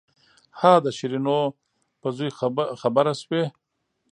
ها د شيرينو په زوى خبره سوې.